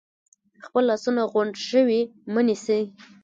خپل لاسونه غونډ شوي مه نیسئ،